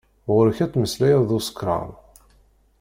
Ɣur-k ad tmeslayeḍ d usekṛan.